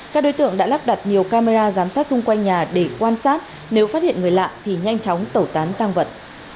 các đối tượng đã lắp đặt nhiều camera giám sát xung quanh nhà để quan sát nếu phát hiện người lạ thì nhanh chóng tẩu tán tăng vật